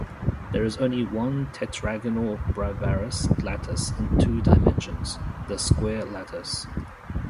There is only one tetragonal Bravais lattice in two dimensions: the square lattice.